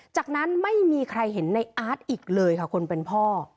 จากนั้นไม่มีใครเห็นในอาร์ตอีกเลยค่ะคนเป็นพ่อ